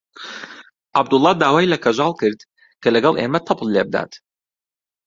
عەبدوڵڵا داوای لە کەژاڵ کرد کە لەگەڵ ئێمە تەپڵ لێ بدات.